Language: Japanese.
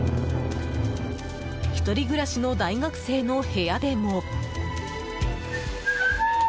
１人暮らしの大学生の部屋でも。